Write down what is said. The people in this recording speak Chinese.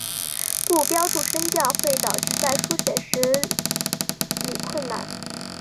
不标注声调会导致在书写时理困难。